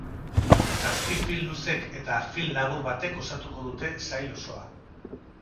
Zazpi film luzek eta film labur batek osatuko dute sail osoa.